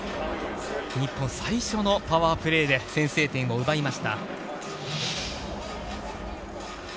日本、最初のパワープレーで先制点を奪いました。